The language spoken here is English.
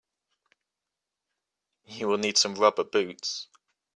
You will need some rubber boots.